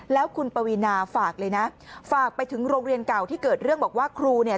แล้วคุณปวีนาฝากเลยนะฝากไปถึงโรงเรียนเก่าที่เกิดเรื่องบอกว่าครูเนี่ย